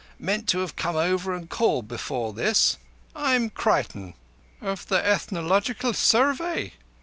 Meant to have come over and called before this. I'm Creighton." "Of the Ethnological Survey?"